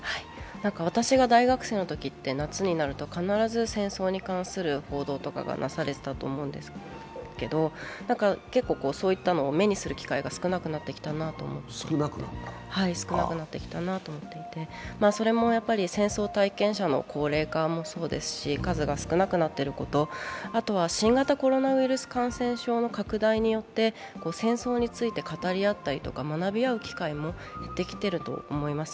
私が大学生のときって、夏になると必ず戦争に関する報道とかがなされていたと思うんですけど、結構そういったのを目にする機会が少なくなってきたなと思っていてそれも戦争体験者の高齢化もそうですし数が少なくなっていること、あとは新型コロナウイルスの拡大によって、戦争について語り合ったり学び合ったりする機会も減ってきてると思います。